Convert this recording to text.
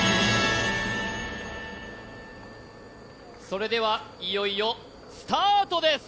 それでは、いよいよスタートです。